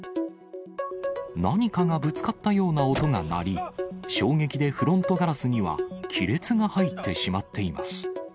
何かがぶつかったような音が鳴り、衝撃でフロントガラスには、亀裂が入ってしまっています。